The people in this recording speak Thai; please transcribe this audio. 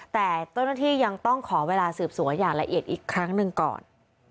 แต่เจ้าหน้าที่ยังต้องขอเวลาสืบสวนอย่างละเอียดอีกครั้งหนึ่งก่อน